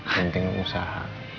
mending lo usaha